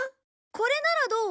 これならどう？